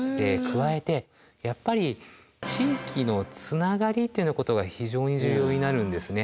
加えてやっぱり地域のつながりというようなことが非常に重要になるんですね。